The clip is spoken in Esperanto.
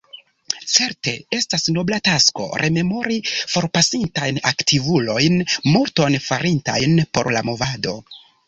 Certe, estas nobla tasko rememori forpasintajn aktivulojn, multon farintajn por la movado.